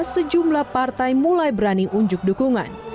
sejumlah partai mulai berani unjuk dukungan